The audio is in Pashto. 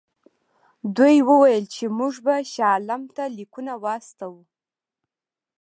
دوی وویل چې موږ به شاه عالم ته لیکونه واستوو.